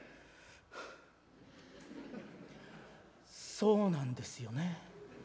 「そうなんですよね。